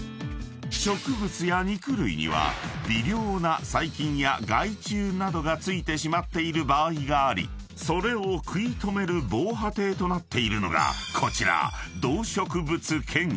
［植物や肉類には微量な細菌や害虫などが付いてしまっている場合がありそれを食い止める防波堤となっているのがこちら］